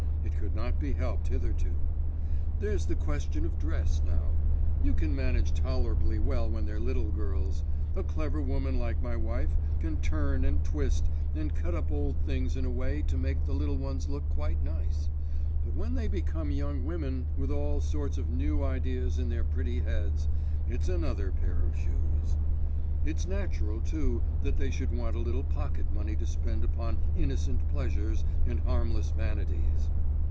It could not be helped hitherto. There's the question of dress, now. You can manage tolerably well when they're little girls; a clever woman like my wife can turn and twist, and cut up old things in a way to make the little ones look quite nice; but when they become young women, with all sorts of new ideas in their pretty heads, it is another pair of shoes. It's natural, too, that they should want a little pocket money to spend upon innocent pleasures and harmless vanities.